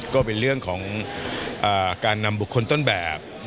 ก็เป็นเรื่องของการนำบุคคลต้นแบบ